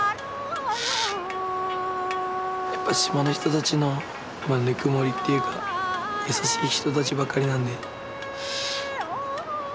やっぱ島の人たちのぬくもりっていうか優しい人たちばっかりなんで。